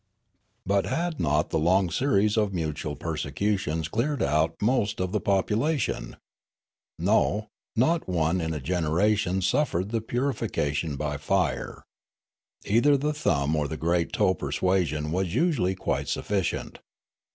" But had not the long series of mutual persecutions cleared out most of the population ? No; not one in a generation suffered the purification by fire. Either the thumb or the great toe persuasion was usually quite suf ficient.